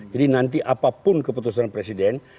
nanti apapun keputusan presiden